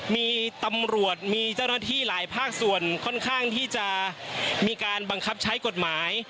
มีตำรวจมีเจ้าหน้าที่หลายภาคส่วนค่อนข้างที่จะมีการบังคับใช้กฎหมาย